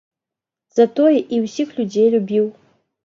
Затое і ўсіх людзей любіў.